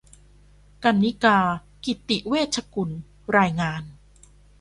กรรณิการ์ กิจติเวชกุล รายงาน